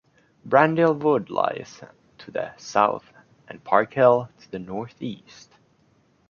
Brandhill Wood lies to the south and Park Hill to the northeast.